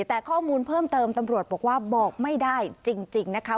แต่ข้อมูลเพิ่มเติมตำรวจบอกว่าบอกไม่ได้จริงนะคะ